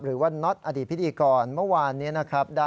น็อตอดีตพิธีกรเมื่อวานนี้นะครับ